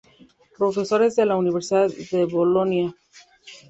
Profesores de la Universidad de Bolonia